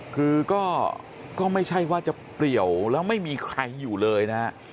คือก็ไม่ใช่ว่าจะเปลี่ยวแล้วไม่มีใครอยู่เลยนะฮะ